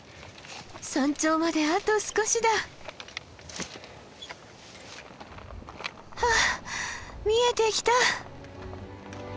山頂まであと少しだ！はあ見えてきた！